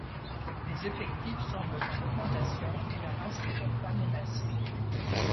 Les effectifs semblent en augmentation et la race n'est donc pas menacée.